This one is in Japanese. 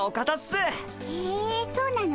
へえそうなの？